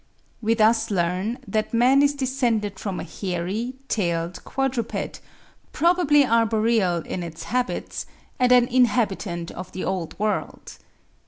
We thus learn that man is descended from a hairy, tailed quadruped, probably arboreal in its habits, and an inhabitant of the Old World.